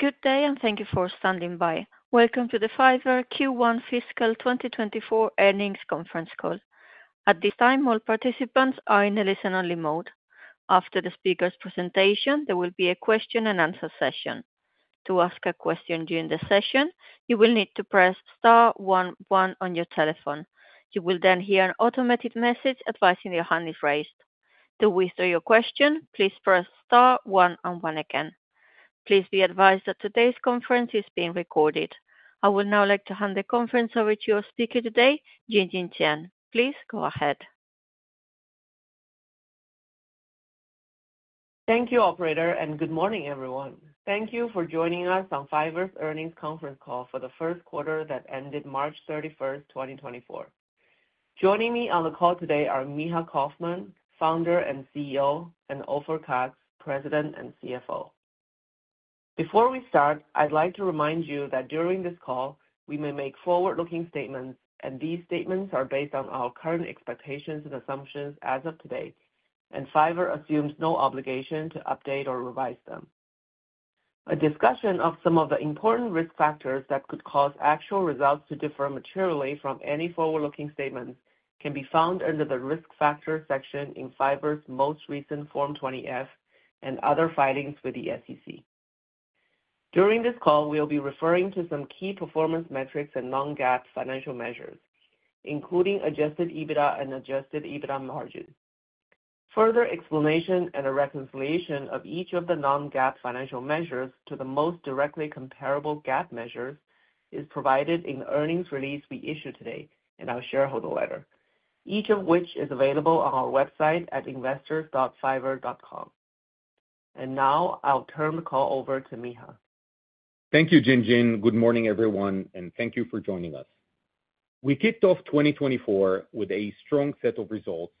Good day and thank you for standing by. Welcome to the Fiverr Q1 fiscal 2024 earnings conference call. At this time, all participants are in a listen-only mode. After the speaker's presentation, there will be a question-and-answer session. To ask a question during the session, you will need to press star one one on your telephone. You will then hear an automated message advising your hand is raised. To whisper your question, please press star one and one again. Please be advised that today's conference is being recorded. I would now like to hand the conference over to your speaker today, Jinjin Qian. Please go ahead. Thank you, Operator, and good morning, everyone. Thank you for joining us on Fiverr's earnings conference call for the first quarter that ended March 31st, 2024. Joining me on the call today are Micha Kaufman, Founder and CEO, and Ofer Katz, President and CFO. Before we start, I'd like to remind you that during this call, we may make forward-looking statements, and these statements are based on our current expectations and assumptions as of today, and Fiverr assumes no obligation to update or revise them. A discussion of some of the important risk factors that could cause actual results to differ materially from any forward-looking statements can be found under the risk factors section in Fiverr's most recent Form 20-F and other filings with the SEC. During this call, we'll be referring to some key performance metrics and non-GAAP financial measures, including adjusted EBITDA and adjusted EBITDA margin. Further explanation and a reconciliation of each of the non-GAAP financial measures to the most directly comparable GAAP measures is provided in the earnings release we issue today in our shareholder letter, each of which is available on our website at investors.fiverr.com. Now I'll turn the call over to Micha. Thank you, Jinjin. Good morning, everyone, and thank you for joining us. We kicked off 2024 with a strong set of results.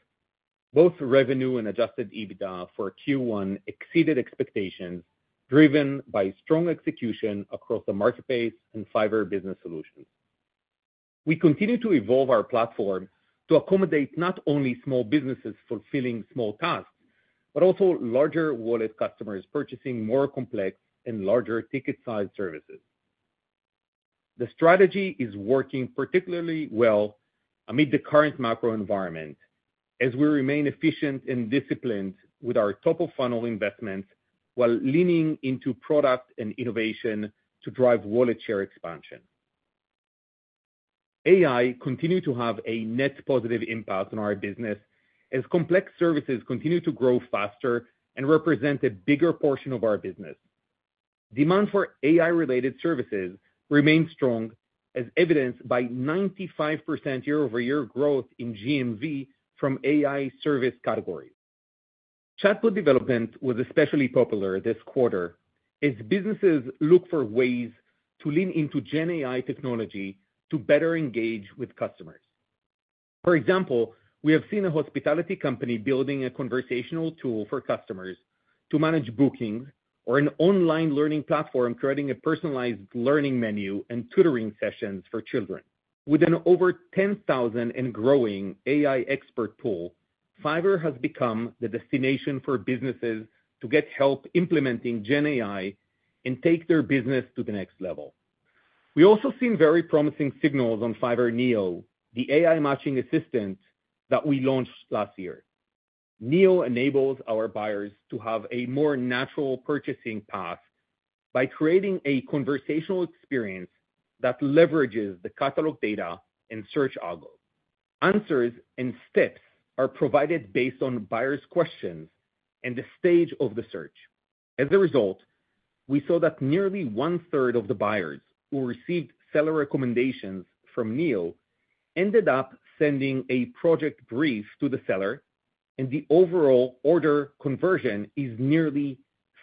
Both revenue and adjusted EBITDA for Q1 exceeded expectations, driven by strong execution across the marketplace and Fiverr Business Solutions. We continue to evolve our platform to accommodate not only small businesses fulfilling small tasks, but also larger wallet customers purchasing more complex and larger ticket-sized services. The strategy is working particularly well amid the current macro environment as we remain efficient and disciplined with our top-of-funnel investments while leaning into product and innovation to drive wallet share expansion. AI continues to have a net positive impact on our business as complex services continue to grow faster and represent a bigger portion of our business. Demand for AI-related services remains strong, as evidenced by 95% year-over-year growth in GMV from AI service categories. Chatbot development was especially popular this quarter as businesses look for ways to lean into GenAI technology to better engage with customers. For example, we have seen a hospitality company building a conversational tool for customers to manage bookings or an online learning platform creating a personalized learning menu and tutoring sessions for children. With an over 10,000 and growing AI expert pool, Fiverr has become the destination for businesses to get help implementing GenAI and take their business to the next level. We've also seen very promising signals on Fiverr Neo, the AI matching assistant that we launched last year. Neo enables our buyers to have a more natural purchasing path by creating a conversational experience that leverages the catalog data and search algo. Answers and steps are provided based on buyers' questions and the stage of the search. As a result, we saw that nearly one-third of the buyers who received seller recommendations from Neo ended up sending a project brief to the seller, and the overall order conversion is nearly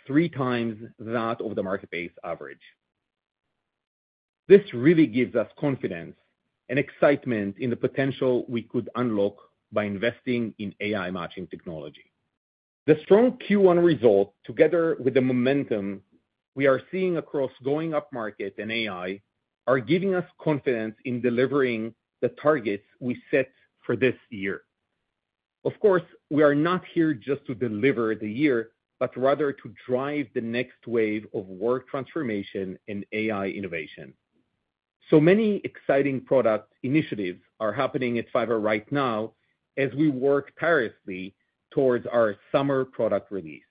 three times that of the marketplace average. This really gives us confidence and excitement in the potential we could unlock by investing in AI matching technology. The strong Q1 result, together with the momentum we are seeing across going up market in AI, are giving us confidence in delivering the targets we set for this year. Of course, we are not here just to deliver the year, but rather to drive the next wave of work transformation and AI innovation. So many exciting product initiatives are happening at Fiverr right now as we work tirelessly towards our summer product release.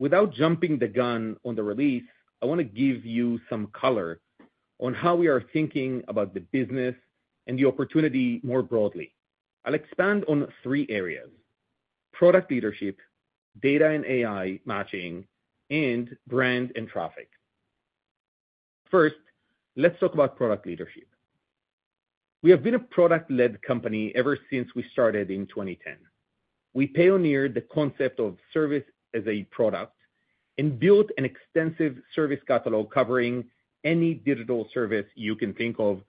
Without jumping the gun on the release, I want to give you some color on how we are thinking about the business and the opportunity more broadly. I'll expand on three areas: product leadership, data and AI matching, and brand and traffic. First, let's talk about product leadership. We have been a product-led company ever since we started in 2010. We pioneered the concept of service as a product and built an extensive service catalog covering any digital service you can think of,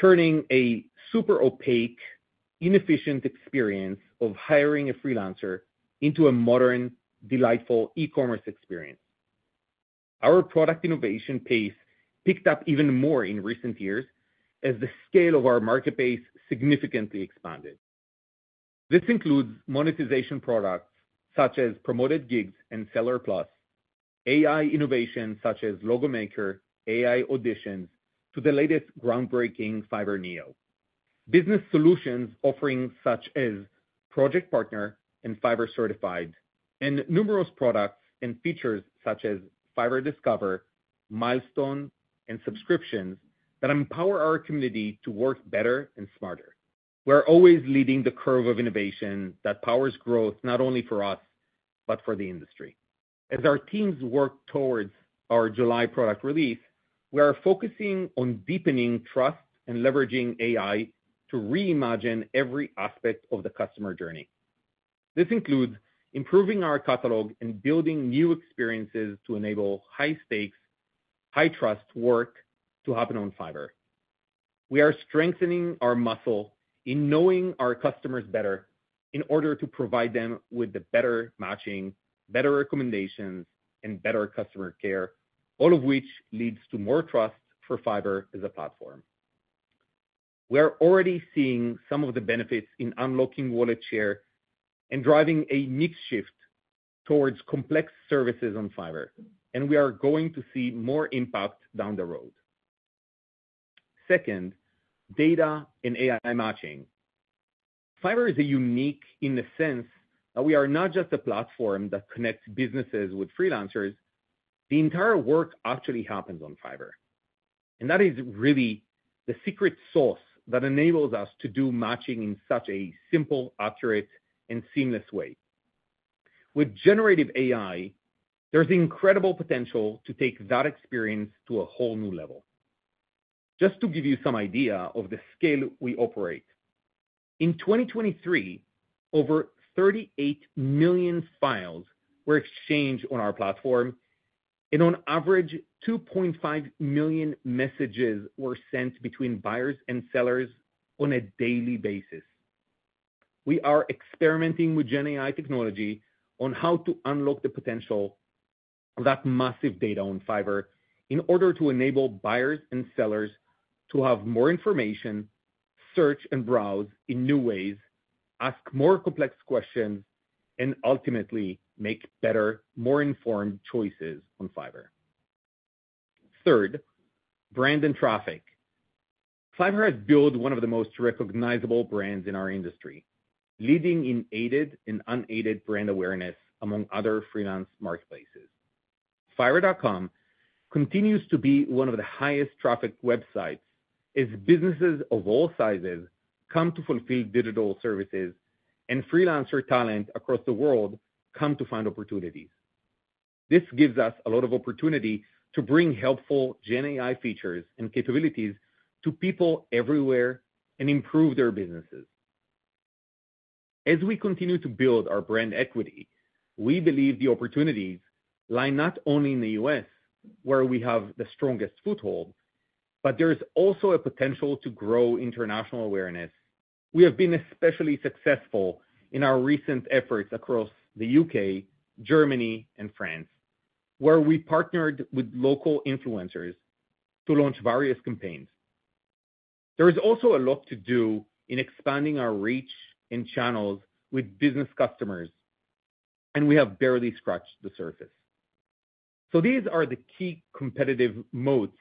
turning a super opaque, inefficient experience of hiring a freelancer into a modern, delightful e-commerce experience. Our product innovation pace picked up even more in recent years as the scale of our marketplace significantly expanded. This includes monetization products such as Promoted Gigs and Seller Plus, AI innovation such as Logo Maker, AI Auditions, to the latest groundbreaking Fiverr Neo, business solutions offering such as Project Partner and Fiverr Certified, and numerous products and features such as Fiverr Discover, Milestone, and subscriptions that empower our community to work better and smarter. We're always leading the curve of innovation that powers growth not only for us, but for the industry. As our teams work towards our July product release, we are focusing on deepening trust and leveraging AI to reimagine every aspect of the customer journey. This includes improving our catalog and building new experiences to enable high-stakes, high-trust work to happen on Fiverr. We are strengthening our muscle in knowing our customers better in order to provide them with better matching, better recommendations, and better customer care, all of which leads to more trust for Fiverr as a platform. We are already seeing some of the benefits in unlocking wallet share and driving a mixed shift towards complex services on Fiverr. We are going to see more impact down the road. Second, data and AI matching. Fiverr is unique in the sense that we are not just a platform that connects businesses with freelancers. The entire work actually happens on Fiverr. That is really the secret sauce that enables us to do matching in such a simple, accurate, and seamless way. With generative AI, there's incredible potential to take that experience to a whole new level. Just to give you some idea of the scale we operate, in 2023, over 38 million files were exchanged on our platform. On average, 2.5 million messages were sent between buyers and sellers on a daily basis. We are experimenting with GenAI technology on how to unlock the potential of that massive data on Fiverr in order to enable buyers and sellers to have more information, search and browse in new ways, ask more complex questions, and ultimately make better, more informed choices on Fiverr. Third, brand and traffic. Fiverr has built one of the most recognizable brands in our industry, leading in aided and unaided brand awareness among other freelance marketplaces. Fiverr.com continues to be one of the highest traffic websites as businesses of all sizes come to fulfill digital services, and freelancer talent across the world come to find opportunities. This gives us a lot of opportunity to bring helpful GenAI features and capabilities to people everywhere and improve their businesses. As we continue to build our brand equity, we believe the opportunities lie not only in the U.S., where we have the strongest foothold, but there is also a potential to grow international awareness. We have been especially successful in our recent efforts across the U.K., Germany, and France, where we partnered with local influencers to launch various campaigns. There is also a lot to do in expanding our reach and channels with business customers. And we have barely scratched the surface. So these are the key competitive moats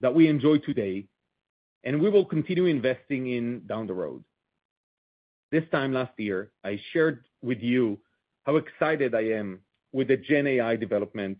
that we enjoy today. And we will continue investing in down the road. This time last year, I shared with you how excited I am with the GenAI development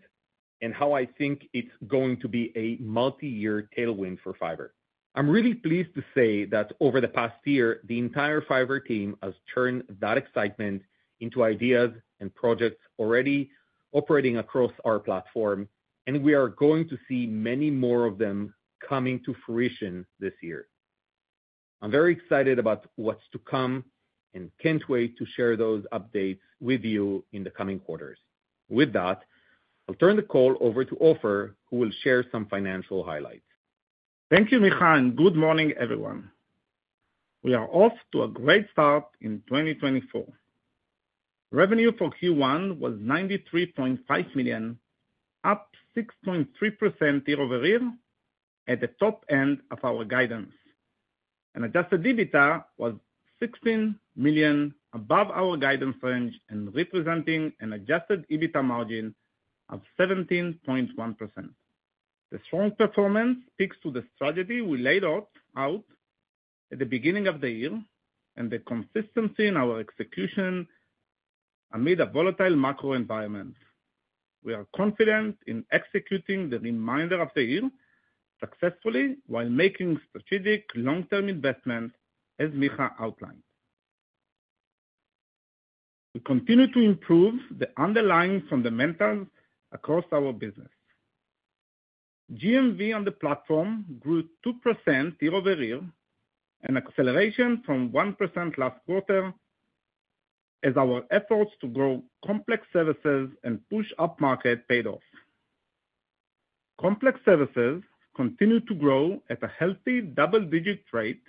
and how I think it's going to be a multi-year tailwind for Fiverr. I'm really pleased to say that over the past year, the entire Fiverr team has turned that excitement into ideas and projects already operating across our platform. We are going to see many more of them coming to fruition this year. I'm very excited about what's to come and can't wait to share those updates with you in the coming quarters. With that, I'll turn the call over to Ofer, who will share some financial highlights. Thank you, Micha. Good morning, everyone. We are off to a great start in 2024. Revenue for Q1 was $93.5 million, up 6.3% year-over-year at the top end of our guidance. Adjusted EBITDA was $16 million above our guidance range and representing an adjusted EBITDA margin of 17.1%. The strong performance speaks to the strategy we laid out at the beginning of the year and the consistency in our execution amid a volatile macro environment. We are confident in executing the remainder of the year successfully while making strategic long-term investments, as Micha outlined. We continue to improve the underlying fundamentals across our business. GMV on the platform grew 2% year-over-year, an acceleration from 1% last quarter as our efforts to grow complex services and push upmarket paid off. Complex services continue to grow at a healthy double-digit rate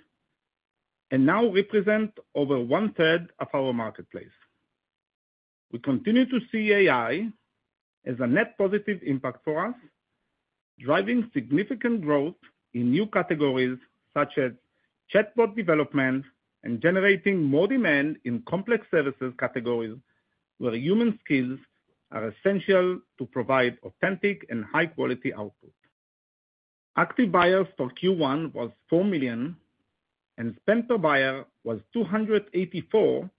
and now represent over one-third of our marketplace. We continue to see AI as a net positive impact for us, driving significant growth in new categories such as chatbot development and generating more demand in complex services categories where human skills are essential to provide authentic and high-quality output. Active buyers for Q1 was 4 million. Spend per buyer was $284,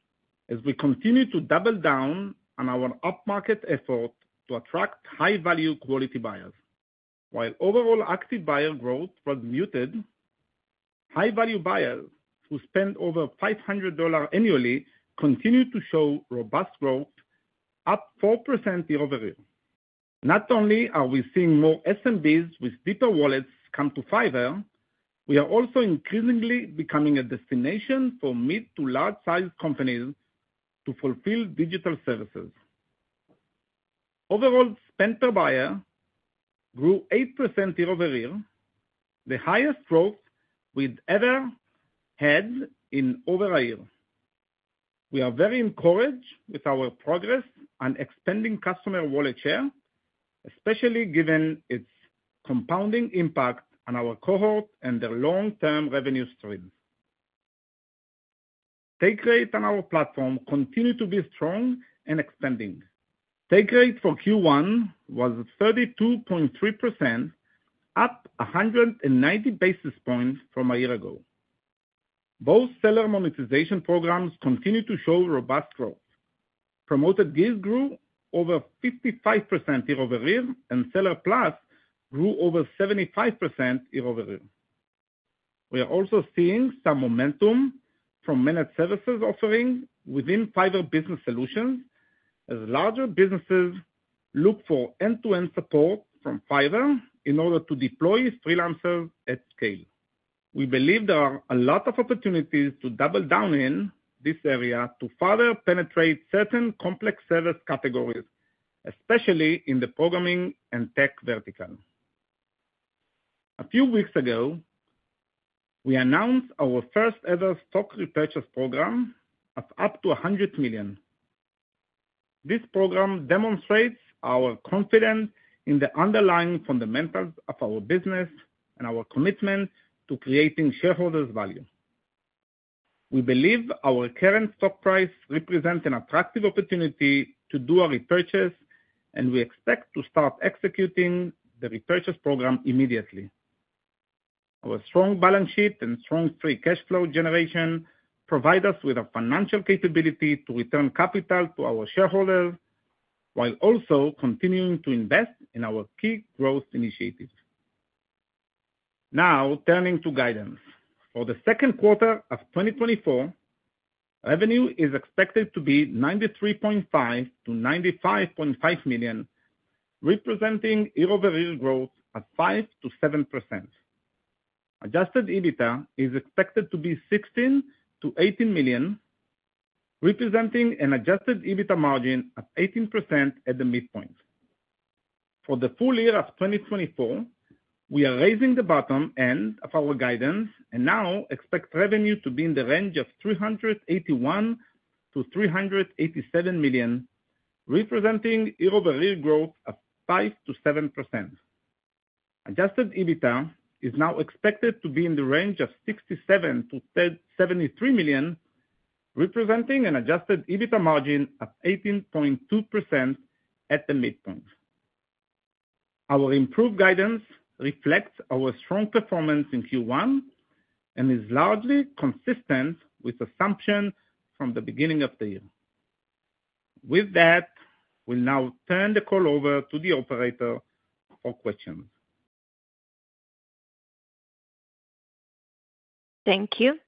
as we continue to double down on our upmarket effort to attract high-value quality buyers. While overall active buyer growth was muted, high-value buyers who spend over $500 annually continue to show robust growth, up 4% year-over-year. Not only are we seeing more SMBs with deeper wallets come to Fiverr, we are also increasingly becoming a destination for mid to large-sized companies to fulfill digital services. Overall spend per buyer grew 8% year-over-year, the highest growth we've ever had in over a year. We are very encouraged with our progress on expanding customer wallet share, especially given its compounding impact on our cohort and their long-term revenue streams. Take rate on our platform continues to be strong and expanding. Take rate for Q1 was 32.3%, up 190 basis points from a year ago. Both seller monetization programs continue to show robust growth. Promoted Gigs grew over 55% year-over-year, and Seller Plus grew over 75% year-over-year. We are also seeing some momentum from managed services offering within Fiverr Business Solutions as larger businesses look for end-to-end support from Fiverr in order to deploy freelancers at scale. We believe there are a lot of opportunities to double down in this area to further penetrate certain complex service categories, especially in the programming and tech vertical. A few weeks ago, we announced our first-ever stock repurchase program of up to $100 million. This program demonstrates our confidence in the underlying fundamentals of our business and our commitment to creating shareholders' value. We believe our current stock price represents an attractive opportunity to do a repurchase. We expect to start executing the repurchase program immediately. Our strong balance sheet and strong free cash flow generation provide us with a financial capability to return capital to our shareholders while also continuing to invest in our key growth initiatives. Now, turning to guidance. For the second quarter of 2024, revenue is expected to be $93.5 million-$95.5 million, representing year-over-year growth of 5%-7%. Adjusted EBITDA is expected to be $16 million-$18 million, representing an adjusted EBITDA margin of 18% at the midpoint. For the full year of 2024, we are raising the bottom end of our guidance and now expect revenue to be in the range of $381 million-$387 million, representing year-over-year growth of 5%-7%. Adjusted EBITDA is now expected to be in the range of $67 million-$73 million, representing an adjusted EBITDA margin of 18.2% at the midpoint. Our improved guidance reflects our strong performance in Q1 and is largely consistent with the assumption from the beginning of the year. With that, we'll now turn the call over to the operator for questions. Thank you.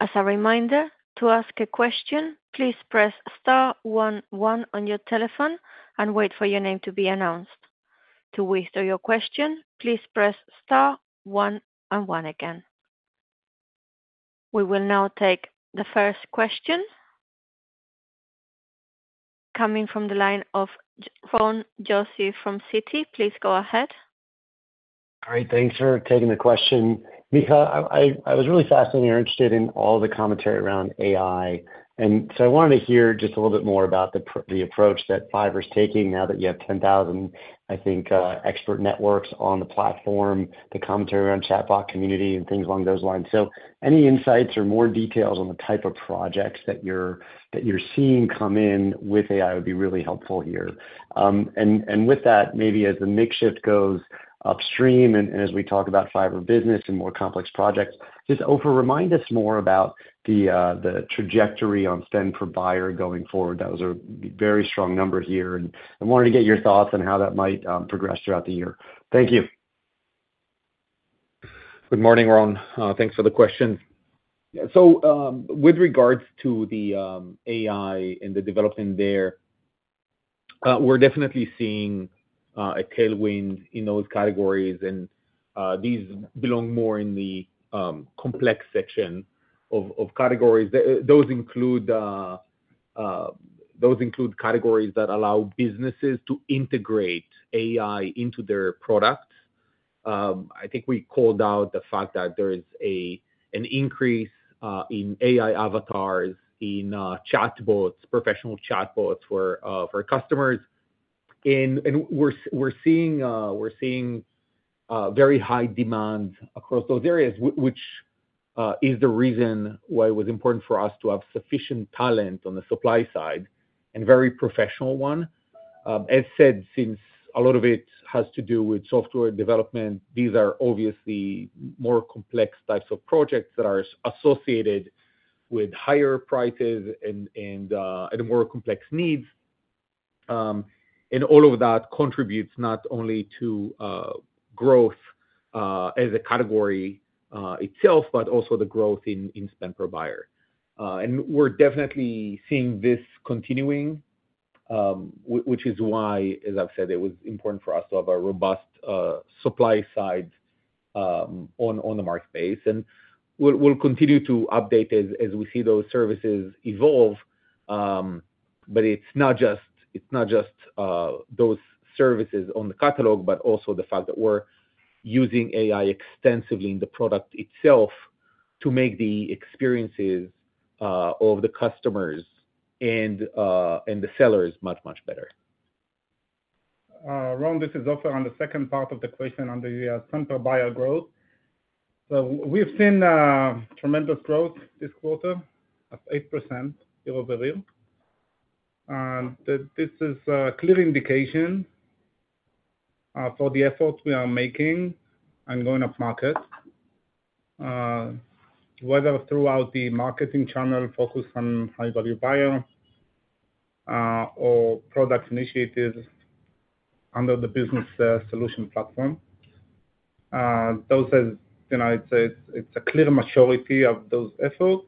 As a reminder, to ask a question, please press star one one on your telephone and wait for your name to be announced. To whisper your question, please press star one and one again. We will now take the first question coming from the line of Ron Josey from Citi. Please go ahead. All right. Thanks for taking the question. Micha, I was really fascinated and interested in all the commentary around AI. And so I wanted to hear just a little bit more about the approach that Fiverr is taking now that you have 10,000, I think, expert networks on the platform, the commentary around chatbot community, and things along those lines. So any insights or more details on the type of projects that you're seeing come in with AI would be really helpful here. And with that, maybe as the mix shift goes upstream and as we talk about Fiverr Business and more complex projects, just Ofer, remind us more about the trajectory on spend per buyer going forward. That was a very strong number here. And I wanted to get your thoughts on how that might progress throughout the year. Thank you. Good morning, Ron. Thanks for the question. So with regards to the AI and the development there, we're definitely seeing a tailwind in those categories. And these belong more in the complex section of categories. Those include categories that allow businesses to integrate AI into their products. I think we called out the fact that there is an increase in AI avatars in professional chatbots for customers. And we're seeing very high demand across those areas, which is the reason why it was important for us to have sufficient talent on the supply side and very professional one. As said, since a lot of it has to do with software development, these are obviously more complex types of projects that are associated with higher prices and more complex needs. And all of that contributes not only to growth as a category itself, but also the growth in spend per buyer. We're definitely seeing this continuing, which is why, as I've said, it was important for us to have a robust supply side on the marketplace. We'll continue to update as we see those services evolve. It's not just those services on the catalog, but also the fact that we're using AI extensively in the product itself to make the experiences of the customers and the sellers much, much better. Ron, this is Ofer on the second part of the question under your spend per buyer growth. So we've seen tremendous growth this quarter of 8% year-over-year. And this is a clear indication for the efforts we are making and going up market, whether throughout the marketing channel focused on high-value buyer or product initiatives under the Business Solution platform. Those, as it's a clear majority of those efforts.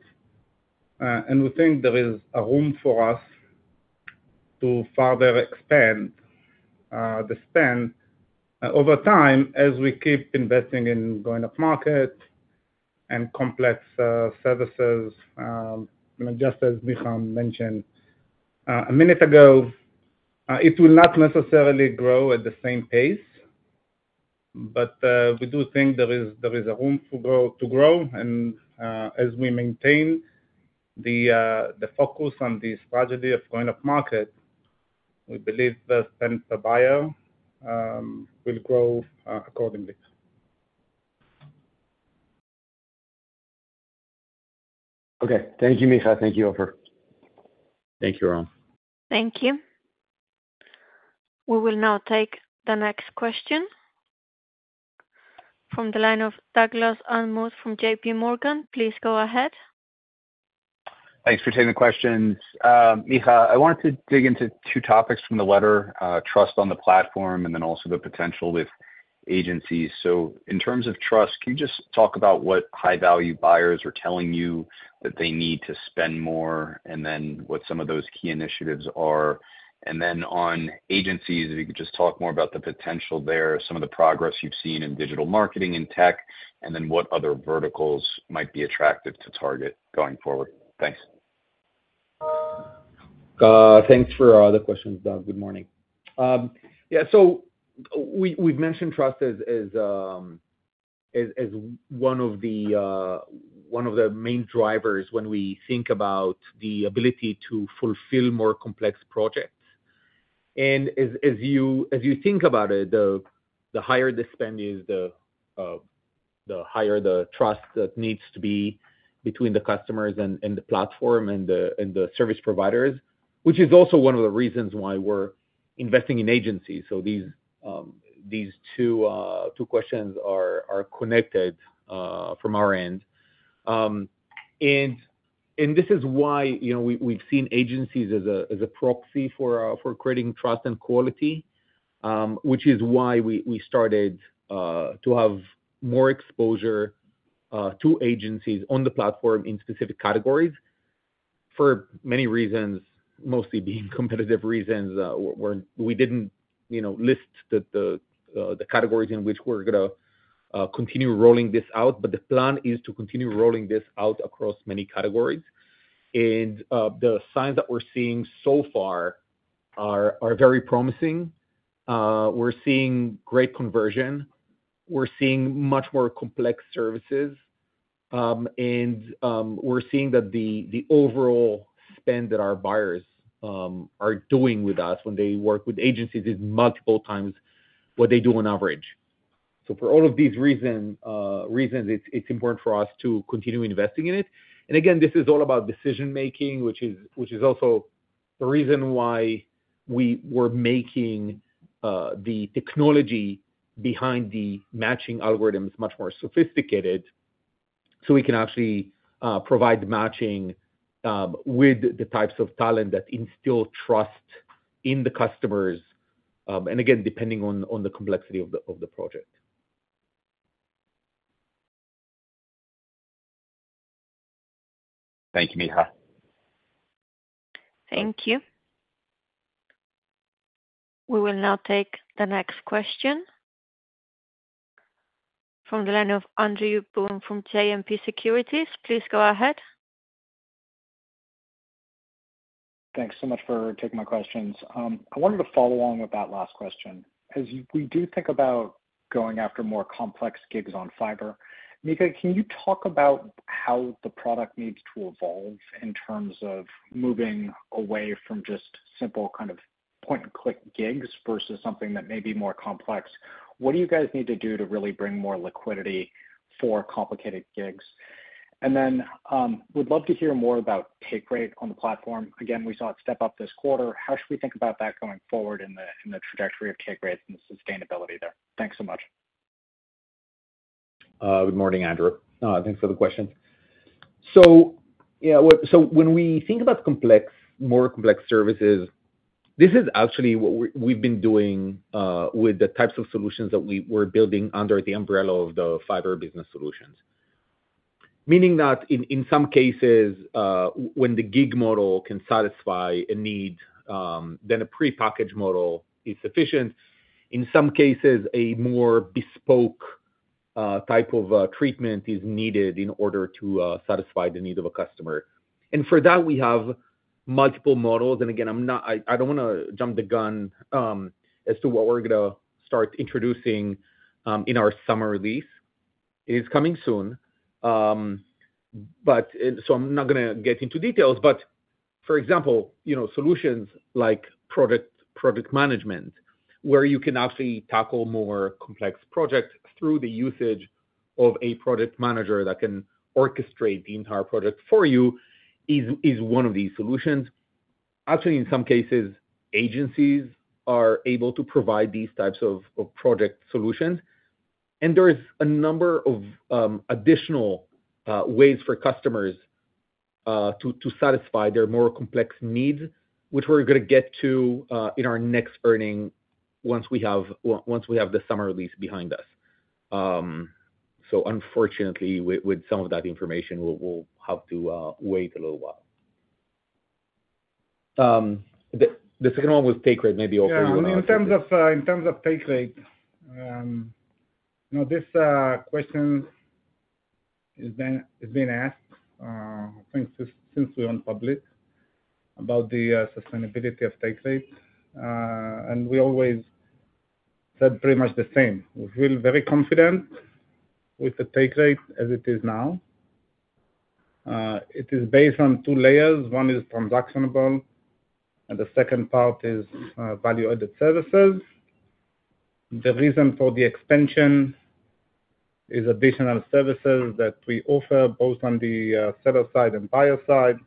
And we think there is a room for us to further expand the spend over time as we keep investing in going up market and complex services. And just as Micha mentioned a minute ago, it will not necessarily grow at the same pace. But we do think there is a room to grow. And as we maintain the focus on the strategy of going up market, we believe the spend per buyer will grow accordingly. Okay. Thank you, Micha. Thank you, Ofer. Thank you, Ron. Thank you. We will now take the next question from the line of Douglas Anmuth from JPMorgan. Please go ahead. Thanks for taking the questions. Micha, I wanted to dig into two topics from the letter: trust on the platform and then also the potential with agencies. So in terms of trust, can you just talk about what high-value buyers are telling you that they need to spend more and then what some of those key initiatives are? And then on agencies, if you could just talk more about the potential there, some of the progress you've seen in digital marketing and tech, and then what other verticals might be attractive to target going forward. Thanks. Thanks for the questions, Doug. Good morning. Yeah. So we've mentioned trust as one of the main drivers when we think about the ability to fulfill more complex projects. And as you think about it, the higher the spend is, the higher the trust that needs to be between the customers and the platform and the service providers, which is also one of the reasons why we're investing in agencies. So these two questions are connected from our end. And this is why we've seen agencies as a proxy for creating trust and quality, which is why we started to have more exposure to agencies on the platform in specific categories for many reasons, mostly being competitive reasons. We didn't list the categories in which we're going to continue rolling this out. But the plan is to continue rolling this out across many categories. And the signs that we're seeing so far are very promising. We're seeing great conversion. We're seeing much more complex services. And we're seeing that the overall spend that our buyers are doing with us when they work with agencies is multiple times what they do on average. So for all of these reasons, it's important for us to continue investing in it. And again, this is all about decision-making, which is also the reason why we were making the technology behind the matching algorithms much more sophisticated so we can actually provide matching with the types of talent that instill trust in the customers, and again, depending on the complexity of the project. Thank you, Micha. Thank you. We will now take the next question from the line of Andrew Boone from JMP Securities. Please go ahead. Thanks so much for taking my questions. I wanted to follow along with that last question. As we do think about going after more complex gigs on Fiverr, Micha, can you talk about how the product needs to evolve in terms of moving away from just simple kind of point-and-click gigs versus something that may be more complex? What do you guys need to do to really bring more liquidity for complicated gigs? And then would love to hear more about take rate on the platform. Again, we saw it step up this quarter. How should we think about that going forward in the trajectory of take rates and the sustainability there? Thanks so much. Good morning, Andrew. Thanks for the question. So when we think about more complex services, this is actually what we've been doing with the types of solutions that we were building under the umbrella of the Fiverr Business Solutions. Meaning that in some cases, when the gig model can satisfy a need, then a pre-package model is sufficient. In some cases, a more bespoke type of treatment is needed in order to satisfy the need of a customer. And for that, we have multiple models. And again, I don't want to jump the gun as to what we're going to start introducing in our summer release. It is coming soon. So I'm not going to get into details. But for example, solutions like product management, where you can actually tackle more complex projects through the usage of a product manager that can orchestrate the entire project for you, is one of these solutions. Actually, in some cases, agencies are able to provide these types of project solutions. And there is a number of additional ways for customers to satisfy their more complex needs, which we're going to get to in our next earnings once we have the summer release behind us. So unfortunately, with some of that information, we'll have to wait a little while. The second one was take rate. Maybe Ofer, you want to answer that. In terms of take rate, this question has been asked, I think, since we're on public, about the sustainability of take rate. We always said pretty much the same. We feel very confident with the take rate as it is now. It is based on two layers. One is transactional, and the second part is value-added services. The reason for the expansion is additional services that we offer both on the seller side and buyer side.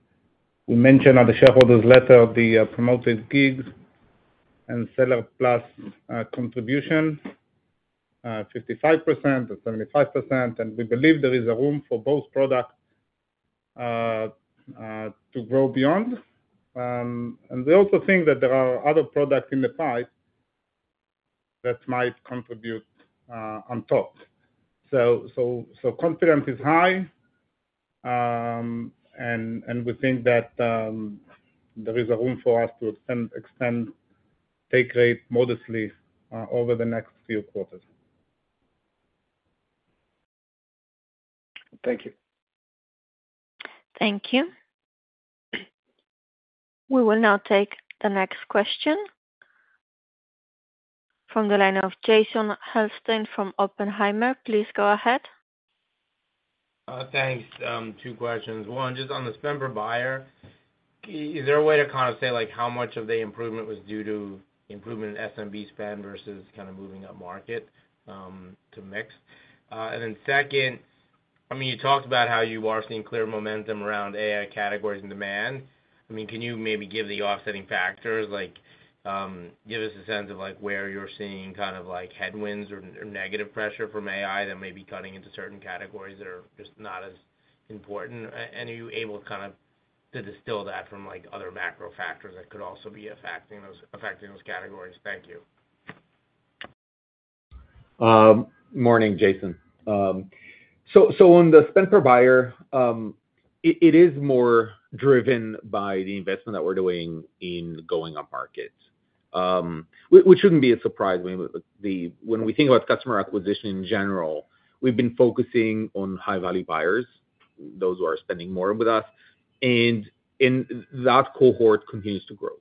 We mentioned on the shareholders' letter the Promoted Gigs and Seller Plus contribution, 55% and 75%. We believe there is a room for both products to grow beyond. We also think that there are other products in the pipeline that might contribute on top. Confidence is high. We think that there is a room for us to extend take rate modestly over the next few quarters. Thank you. Thank you. We will now take the next question from the line of Jason Helfstein from Oppenheimer. Please go ahead. Thanks. Two questions. One, just on the spend per buyer, is there a way to kind of say how much of the improvement was due to improvement in SMB spend versus kind of moving up market to mix? And then second, I mean, you talked about how you are seeing clear momentum around AI categories and demand. I mean, can you maybe give the offsetting factors? Give us a sense of where you're seeing kind of headwinds or negative pressure from AI that may be cutting into certain categories that are just not as important. And are you able to kind of distill that from other macro factors that could also be affecting those categories? Thank you. Morning, Jason. So on the spend per buyer, it is more driven by the investment that we're doing in going up market, which shouldn't be a surprise. When we think about customer acquisition in general, we've been focusing on high-value buyers, those who are spending more with us. And that cohort continues to grow.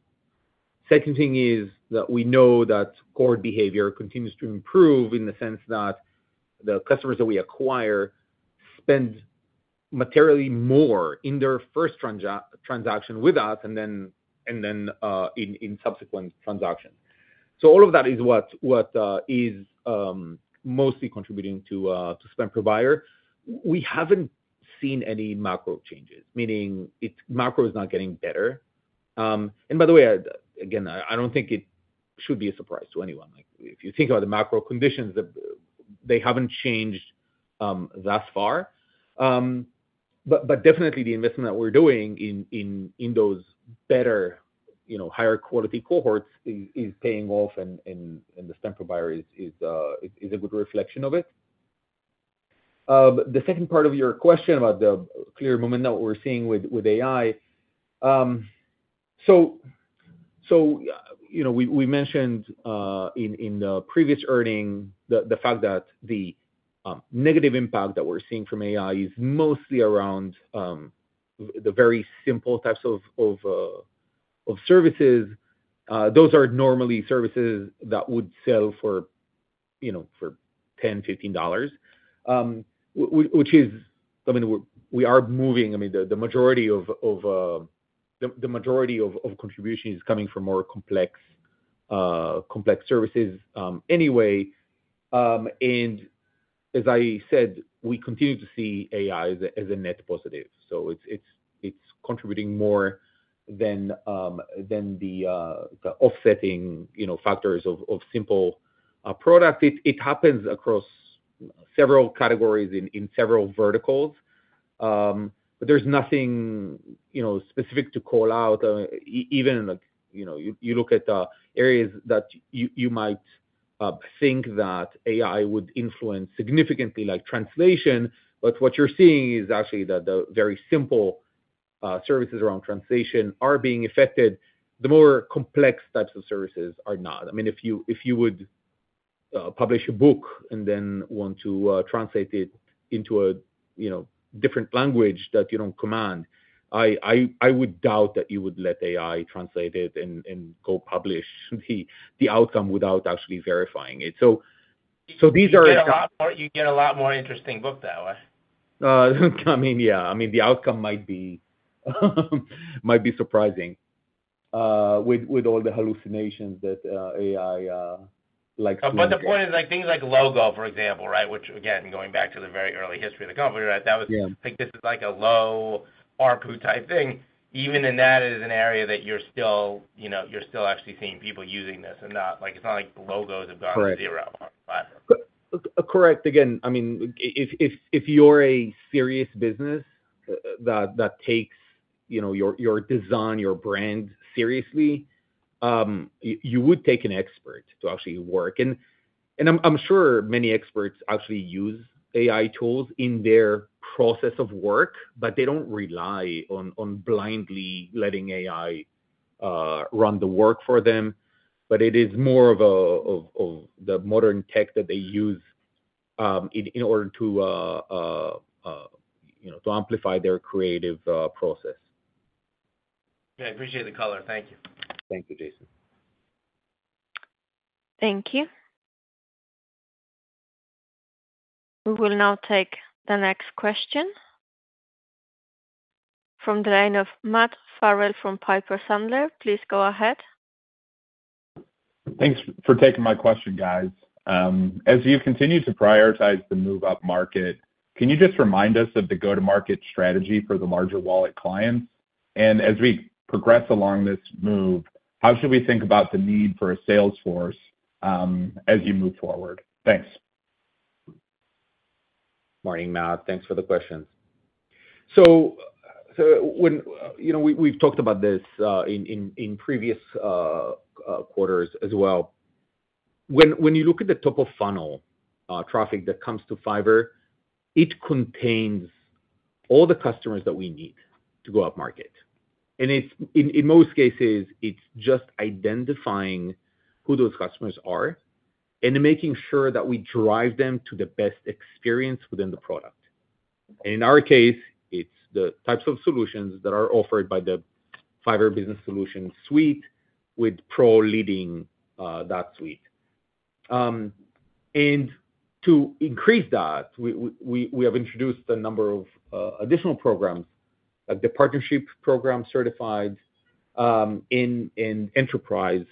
Second thing is that we know that core behavior continues to improve in the sense that the customers that we acquire spend materially more in their first transaction with us and then in subsequent transactions. So all of that is what is mostly contributing to spend per buyer. We haven't seen any macro changes, meaning macro is not getting better. And by the way, again, I don't think it should be a surprise to anyone. If you think about the macro conditions, they haven't changed thus far. But definitely, the investment that we're doing in those better, higher-quality cohorts is paying off, and the spend per buyer is a good reflection of it. The second part of your question about the clear momentum that we're seeing with AI so we mentioned in the previous earnings the fact that the negative impact that we're seeing from AI is mostly around the very simple types of services. Those are normally services that would sell for $10-$15, which is I mean, we are moving. I mean, the majority of the majority of contribution is coming from more complex services anyway. And as I said, we continue to see AI as a net positive. So it's contributing more than the offsetting factors of simple product. It happens across several categories in several verticals. But there's nothing specific to call out. Even you look at areas that you might think that AI would influence significantly, like translation. But what you're seeing is actually that the very simple services around translation are being affected. The more complex types of services are not. I mean, if you would publish a book and then want to translate it into a different language that you don't command, I would doubt that you would let AI translate it and go publish the outcome without actually verifying it. So these are examples. You get a lot more interesting book that way. I mean, yeah. I mean, the outcome might be surprising with all the hallucinations that AI likes to do. But the point is things like Logo, for example, right, which again, going back to the very early history of the company, right, that was this is like a low ARPU type thing. Even in that, it is an area that you're still actually seeing people using this. And it's not like the logos have gone to zero on Fiverr. Correct. Again, I mean, if you're a serious business that takes your design, your brand seriously, you would take an expert to actually work. I'm sure many experts actually use AI tools in their process of work, but they don't rely on blindly letting AI run the work for them. It is more of the modern tech that they use in order to amplify their creative process. Yeah. I appreciate the color. Thank you. Thank you, Jason. Thank you. We will now take the next question from the line of Matt Farrell from Piper Sandler. Please go ahead. Thanks for taking my question, guys. As you continue to prioritize the move up market, can you just remind us of the go-to-market strategy for the larger wallet clients? As we progress along this move, how should we think about the need for a salesforce as you move forward? Thanks. Morning, Matt. Thanks for the questions. So we've talked about this in previous quarters as well. When you look at the top-of-funnel traffic that comes to Fiverr, it contains all the customers that we need to go up market. And in most cases, it's just identifying who those customers are and making sure that we drive them to the best experience within the product. And in our case, it's the types of solutions that are offered by the Fiverr Business Solutions suite with Pro leading that suite. And to increase that, we have introduced a number of additional programs, like the partnership program, Certified, in Enterprise,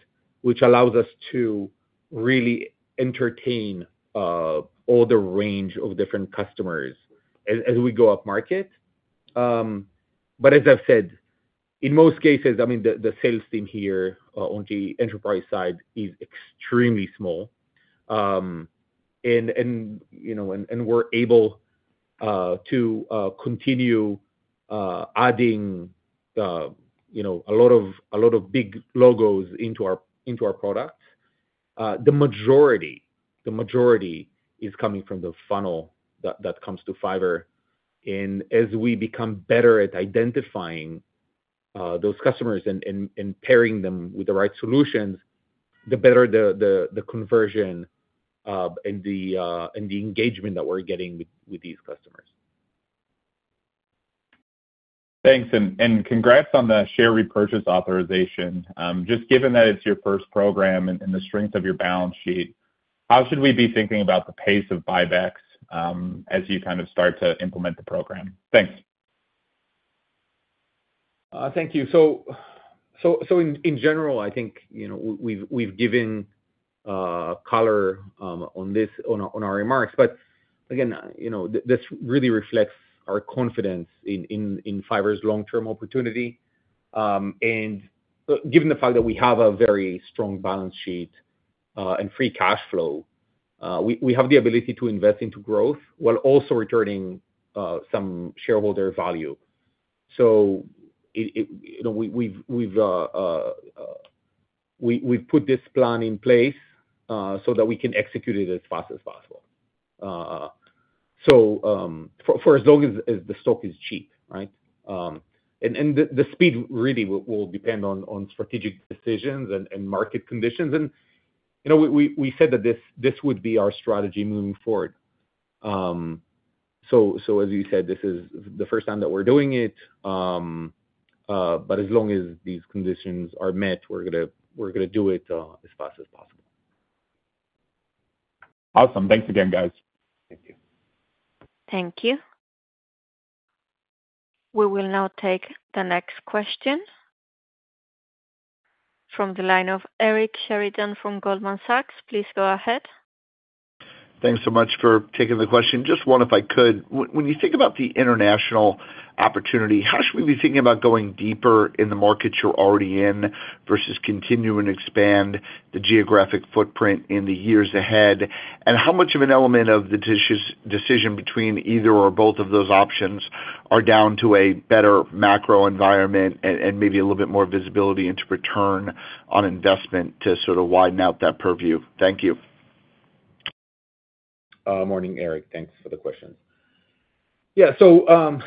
which allows us to really entertain all the range of different customers as we go up market. But as I've said, in most cases, I mean, the sales team here on the enterprise side is extremely small. We're able to continue adding a lot of big logos into our products. The majority is coming from the funnel that comes to Fiverr. And as we become better at identifying those customers and pairing them with the right solutions, the better the conversion and the engagement that we're getting with these customers. Thanks. Congrats on the share repurchase authorization. Just given that it's your first program and the strength of your balance sheet, how should we be thinking about the pace of buybacks as you kind of start to implement the program? Thanks. Thank you. In general, I think we've given color on our remarks. But again, this really reflects our confidence in Fiverr's long-term opportunity. Given the fact that we have a very strong balance sheet and free cash flow, we have the ability to invest into growth while also returning some shareholder value. We've put this plan in place so that we can execute it as fast as possible. For as long as the stock is cheap, right? The speed really will depend on strategic decisions and market conditions. We said that this would be our strategy moving forward. As you said, this is the first time that we're doing it. But as long as these conditions are met, we're going to do it as fast as possible. Awesome. Thanks again, guys. Thank you. Thank you. We will now take the next question from the line of Eric Sheridan from Goldman Sachs. Please go ahead. Thanks so much for taking the question. Just one, if I could. When you think about the international opportunity, how should we be thinking about going deeper in the markets you're already in versus continuing to expand the geographic footprint in the years ahead? And how much of an element of the decision between either or both of those options are down to a better macro environment and maybe a little bit more visibility into return on investment to sort of widen out that purview? Thank you. Morning, Eric. Thanks for the questions. Yeah. So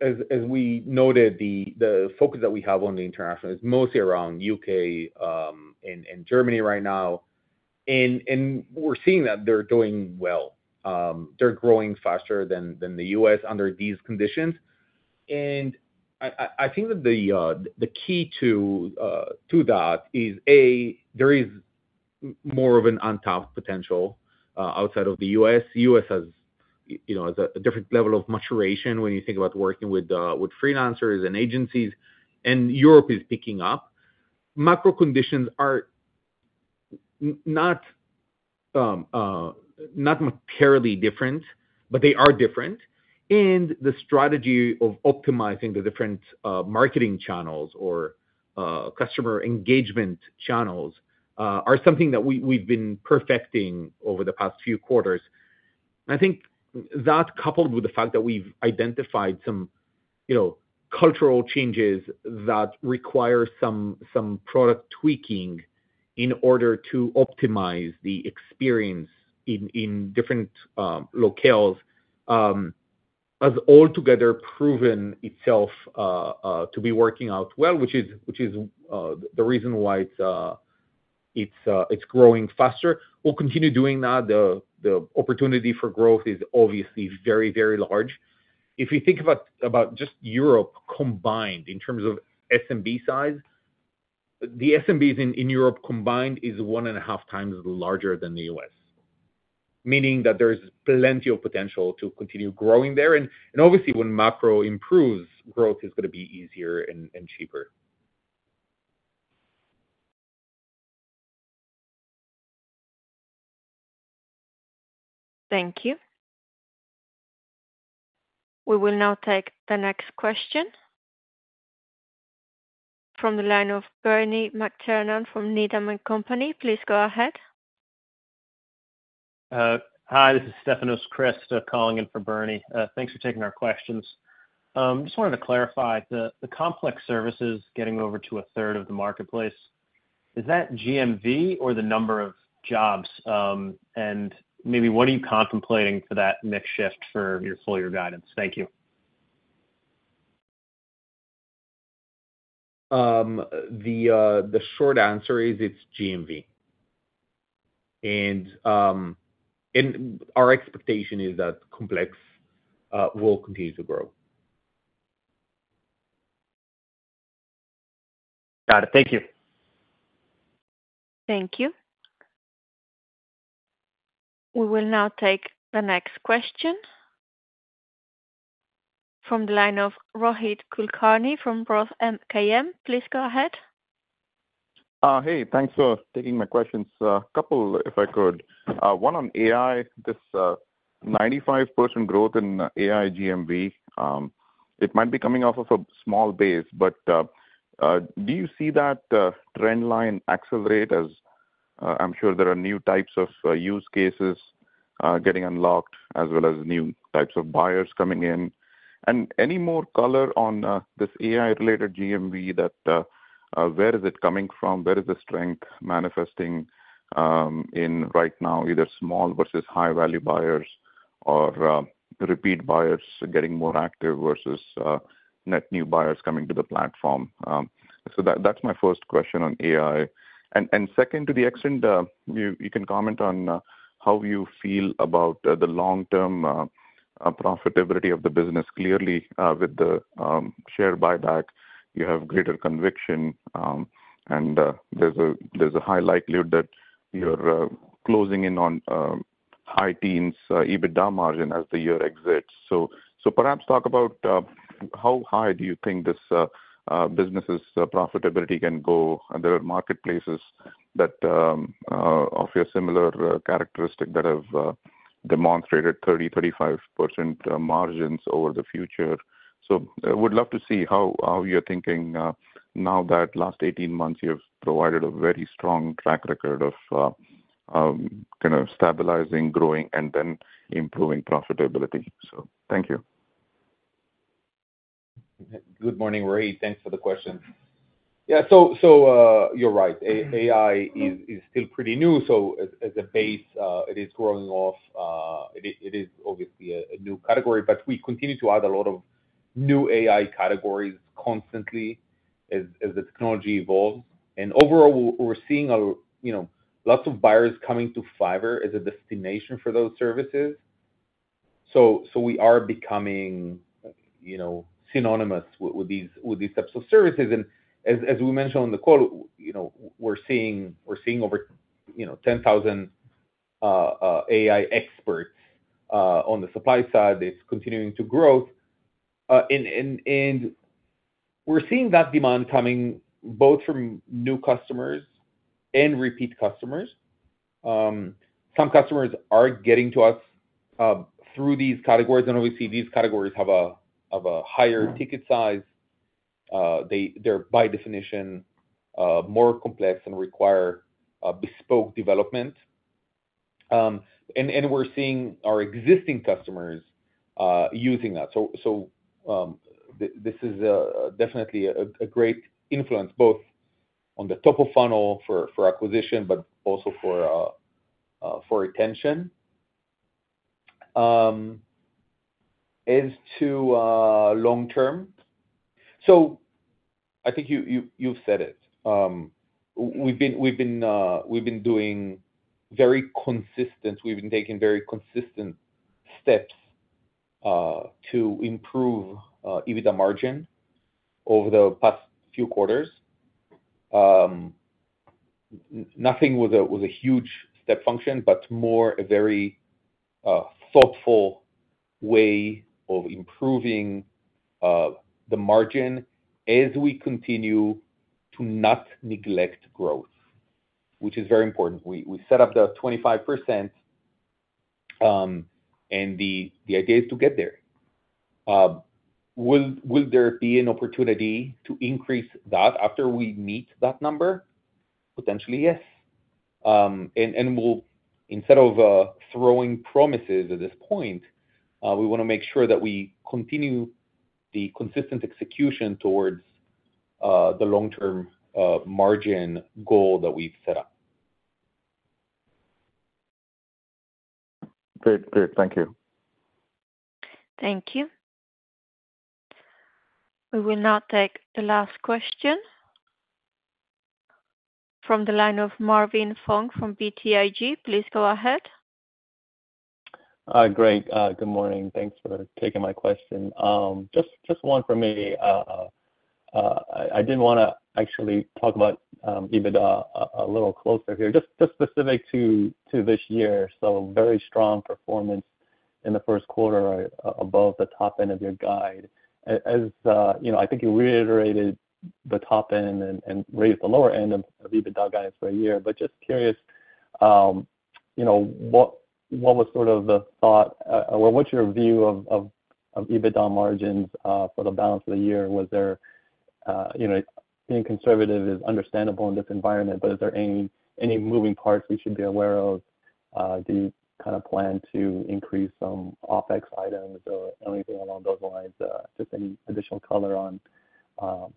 as we noted, the focus that we have on the international is mostly around U.K. and Germany right now. And we're seeing that they're doing well. They're growing faster than the U.S. under these conditions. And I think that the key to that is, A, there is more of an on-top potential outside of the U.S. The U.S. has a different level of maturation when you think about working with freelancers and agencies. And Europe is picking up. Macro conditions are not materially different, but they are different. And the strategy of optimizing the different marketing channels or customer engagement channels are something that we've been perfecting over the past few quarters. And I think that coupled with the fact that we've identified some cultural changes that require some product tweaking in order to optimize the experience in different locales has altogether proven itself to be working out well, which is the reason why it's growing faster. We'll continue doing that. The opportunity for growth is obviously very, very large. If you think about just Europe combined in terms of SMB size, the SMBs in Europe combined is one and a half times larger than the US, meaning that there's plenty of potential to continue growing there. And obviously, when macro improves, growth is going to be easier and cheaper. Thank you. We will now take the next question from the line of Bernie McTernan from Needham & Company. Please go ahead. Hi. This is Stefanos Crist calling in for Bernie. Thanks for taking our questions. I just wanted to clarify. The complex services getting over to a third of the marketplace, is that GMV or the number of jobs? And maybe what are you contemplating for that mix shift for your fuller guidance? Thank you. The short answer is it's GMV. Our expectation is that complex will continue to grow. Got it. Thank you. Thank you. We will now take the next question from the line of Rohit Kulkarni from Roth MKM. Please go ahead. Hey. Thanks for taking my questions. A couple, if I could. One on AI. This 95% growth in AI GMV, it might be coming off of a small base, but do you see that trend line accelerate as I'm sure there are new types of use cases getting unlocked as well as new types of buyers coming in? And any more color on this AI-related GMV, where is it coming from? Where is the strength manifesting in right now, either small versus high-value buyers or repeat buyers getting more active versus net new buyers coming to the platform? So that's my first question on AI. And second, to the extent you can comment on how you feel about the long-term profitability of the business. Clearly, with the share buyback, you have greater conviction. There's a high likelihood that you're closing in on high teens EBITDA margin as the year exits. So perhaps talk about how high do you think this business's profitability can go? And there are marketplaces of your similar characteristic that have demonstrated 30%, 35% margins over the future. So I would love to see how you're thinking now that last 18 months you've provided a very strong track record of kind of stabilizing, growing, and then improving profitability. So thank you. Good morning, Rohit. Thanks for the question. Yeah. So you're right. AI is still pretty new. So as a base, it is growing off. It is obviously a new category. But we continue to add a lot of new AI categories constantly as the technology evolves. And overall, we're seeing lots of buyers coming to Fiverr as a destination for those services. So we are becoming synonymous with these types of services. And as we mentioned on the call, we're seeing over 10,000 AI experts on the supply side. It's continuing to grow. And we're seeing that demand coming both from new customers and repeat customers. Some customers are getting to us through these categories. And obviously, these categories have a higher ticket size. They're, by definition, more complex and require bespoke development. And we're seeing our existing customers using that. So this is definitely a great influence both on the top of funnel for acquisition, but also for retention. As to long-term, so I think you've said it. We've been taking very consistent steps to improve EBITDA margin over the past few quarters. Nothing was a huge step function, but more a very thoughtful way of improving the margin as we continue to not neglect growth, which is very important. We set up the 25%, and the idea is to get there. Will there be an opportunity to increase that after we meet that number? Potentially, yes. And instead of throwing promises at this point, we want to make sure that we continue the consistent execution towards the long-term margin goal that we've set up. Great. Great. Thank you. Thank you. We will now take the last question from the line of Marvin Fong from BTIG. Please go ahead. Great. Good morning. Thanks for taking my question. Just one for me. I didn't want to actually talk about EBITDA a little closer here, just specific to this year. So very strong performance in the first quarter above the top end of your guide. As I think you reiterated the top end and raised the lower end of EBITDA guidance for a year, but just curious what was sort of the thought or what's your view of EBITDA margins for the balance of the year? Being conservative is understandable in this environment, but is there any moving parts we should be aware of? Do you kind of plan to increase some OpEx items or anything along those lines? Just any additional color on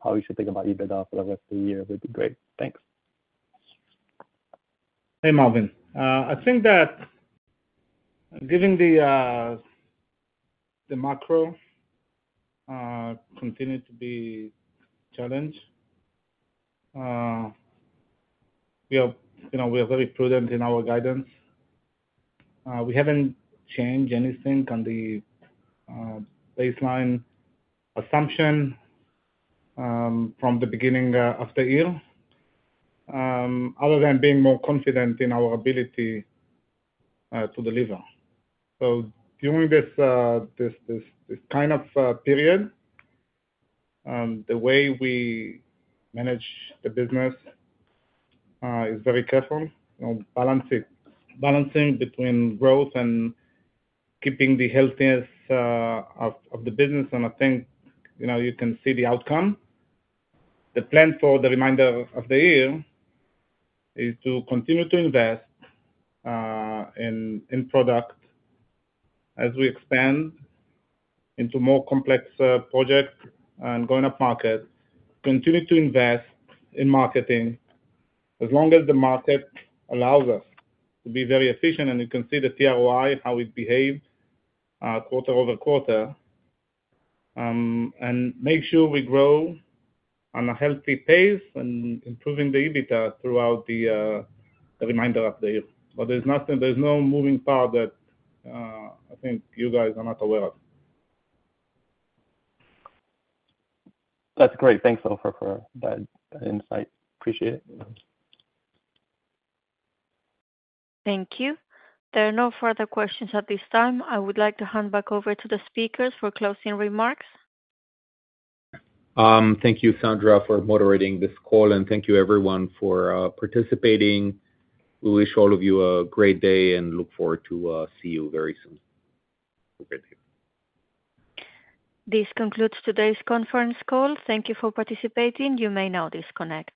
how we should think about EBITDA for the rest of the year would be great. Thanks. Hey, Marvin. I think that given the macro continues to be a challenge, we are very prudent in our guidance. We haven't changed anything on the baseline assumption from the beginning of the year other than being more confident in our ability to deliver. So during this kind of period, the way we manage the business is very careful, balancing between growth and keeping the healthiness of the business. And I think you can see the outcome. The plan for the remainder of the year is to continue to invest in product as we expand into more complex projects and going up market, continue to invest in marketing as long as the market allows us to be very efficient. And you can see the TROI, how it behaves quarter-over-quarter, and make sure we grow on a healthy pace and improving the EBITDA throughout the remainder of the year. But there's no moving part that I think you guys are not aware of. That's great. Thanks, Ofer, for that insight. Appreciate it. Thank you. There are no further questions at this time. I would like to hand back over to the speakers for closing remarks. Thank you, Sandra, for moderating this call. Thank you, everyone, for participating. We wish all of you a great day and look forward to seeing you very soon. Have a great day. This concludes today's conference call. Thank you for participating. You may now disconnect.